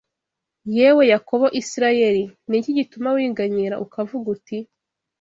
Yewe Yakobo Isirayeli, ni iki gituma wiganyira ukavuga uti